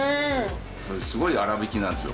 それ、すごい粗びきなんですよ。